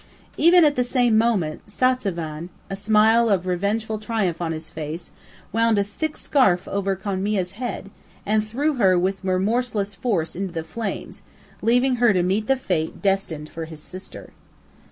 Even at the same moment, Satzavan, a smile of revengeful triumph on his face, wound a thick scarf over Konmia's head, and threw her with remorseless force into the flames, leaving her to meet the fate destined for his sister.